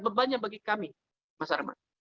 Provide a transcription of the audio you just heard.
bebannya bagi kami mas arman